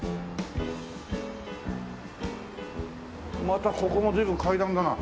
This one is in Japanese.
またここも随分階段だな。